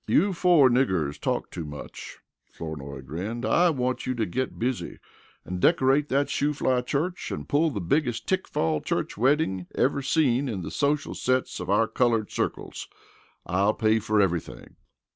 "You four niggers talk too much," Flournoy grinned. "I want you to get busy and decorate that Shoofly Church and pull the biggest Tickfall church wedding ever seen in the social sets of our colored circles. I'll pay for everything."